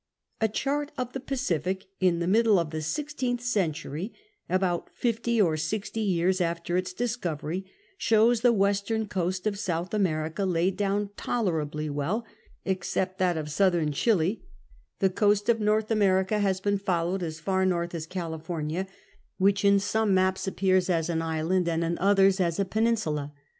A chart of the Pacific in the middle of the sixtcentli century, about fifty or sixty years after its discovery, shows the western coast of South America laid down tolerably well, except that of Southern Chili ; the coast IV DRAKE SEES IT 47 of North America has been followed as far north as California, which in some maps appears as an island, and in others as a peninsula.